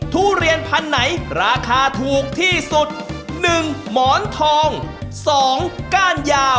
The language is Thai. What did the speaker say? ทุเรียนนะ